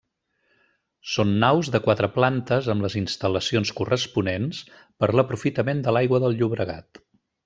Són naus de quatre plantes amb les instal·lacions corresponents per l'aprofitament de l'aigua del Llobregat.